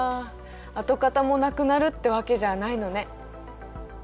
跡形もなくなるってわけじゃないのね。